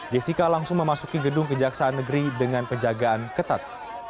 jessica langsung memasuki gedung kejaksaan negeri dengan penjagaan ketat